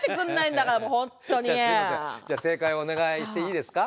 じゃあ正解をお願いしていいですか？